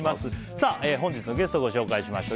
さあ、本日のゲストをご紹介しましょう。